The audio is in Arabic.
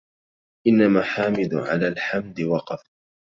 إنما حامد على الحمد وقف